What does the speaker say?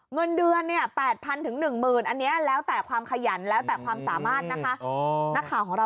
เงินเดือนเนี่ย๘๐๐๑๐๐อันนี้แล้วแต่ความขยันแล้วแต่ความสามารถนะคะ